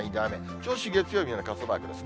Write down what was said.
銚子、月曜日は傘マークですね。